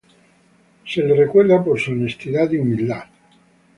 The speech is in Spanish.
Es recordado por su honestidad y humildad.